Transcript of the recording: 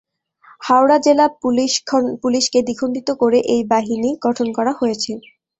হাওড়া জেলা পুলিশকে দ্বিখণ্ডিত করে এই বাহিনী গঠন করা হয়েছে।